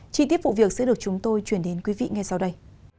chi tiết vụ việc sẽ được chúng tôi chuyển đến quý vị ngay sau đây